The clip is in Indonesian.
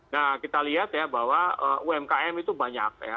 nah kita lihat ya bahwa umkm itu banyak ya